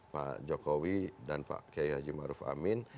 pak jokowi dan pak kiai haji maruf amin